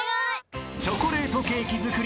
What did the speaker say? ［チョコレートケーキ作り。